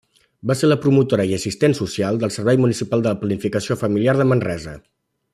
Va ser la promotora i assistent social del Servei Municipal de Planificació Familiar de Manresa.